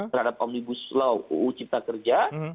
terhadap omnibus law uu cipta kerja